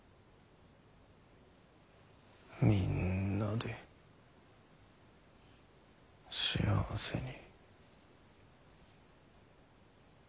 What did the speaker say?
みんなで幸せに。